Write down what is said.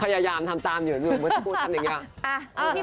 พยายามทำตามอยู่เมื่อสักครู่ทำอย่างนี้